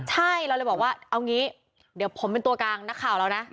ใช่เราเลยบอกว่าเอางี้เดี๋ยวผมเป็นตัวกลางนักข่าวเรานะ